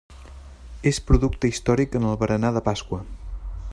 És producte històric en el berenar de Pasqua.